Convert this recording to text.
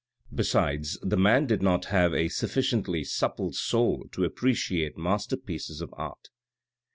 Besides, the man did not have a sufficiently supple soul to appreciate masterpieces of art."